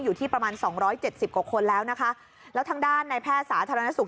อยู่ที่ประมาณสองร้อยเจ็ดสิบกว่าคนแล้วนะคะแล้วทางด้านในแพทย์สาธารณสุข